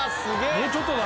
もうちょっとだ。